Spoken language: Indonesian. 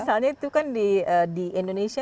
misalnya itu kan di indonesia